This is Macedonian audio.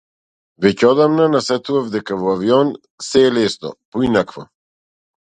Веќе одамна насетував дека во авион сѐ е лесно, поинакво.